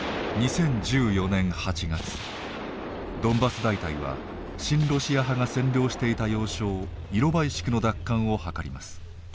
ドンバス大隊は親ロシア派が占領していた要衝イロバイシクの奪還をはかります。